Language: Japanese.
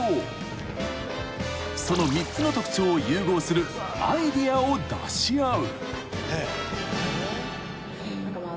［その３つの特徴を融合するアイデアを出し合う］